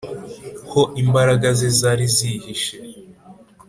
ho imbaraga ze zari zihishe